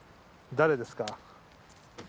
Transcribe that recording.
誰ですか？